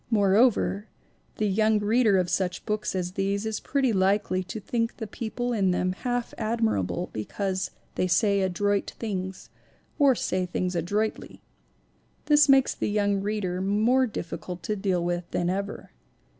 More 320 ALICE DUER MILLER 321 over, the young reader of such books as these is pretty likely to think the people in them half admirable be cause they say adroit things or say things adroitly. This makes the young reader more difficult to deal with than ever.